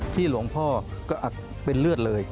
หลวงพ่อก็อักเป็นเลือดเลย